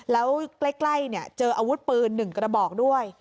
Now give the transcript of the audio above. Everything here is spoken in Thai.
แล้วใกล้เจออาวุธปืน๑กระบอกด้วย